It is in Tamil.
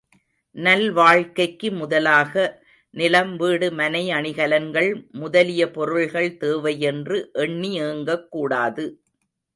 நல்வாழ்க்கைக்கு முதலாக நிலம், வீடு, மனை, அணிகலன்கள் முதலிய பொருள்கள் தேவையென்று எண்ணி ஏங்கக் கூடாது.